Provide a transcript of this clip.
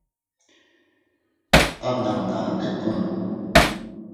Abbnamnaʼa ndettu.